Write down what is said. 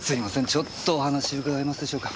ちょっとお話伺えますでしょうか？